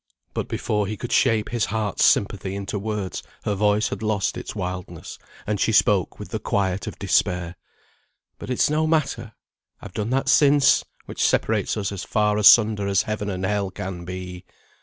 But before he could shape his heart's sympathy into words, her voice had lost its wildness, and she spoke with the quiet of despair. "But it's no matter! I've done that since, which separates us as far asunder as heaven and hell can be."